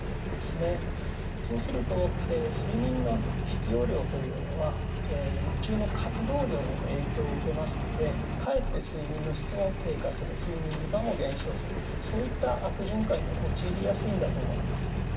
そうすると睡眠の必要量というのは日中の活動量にも影響を受けますのでかえって睡眠の質も低下する睡眠時間も減少するそういった悪循環に陥りやすいんだと思います。